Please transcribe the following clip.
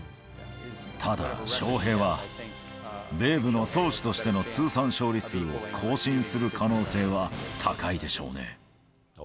ただ、翔平は、ベーブの投手としての通算勝利数を更新する可能性は高いでしょう